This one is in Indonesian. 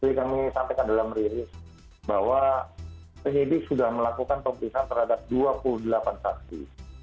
tadi kami sampaikan dalam rilis bahwa penyidik sudah melakukan pemeriksaan terhadap dua puluh delapan saksi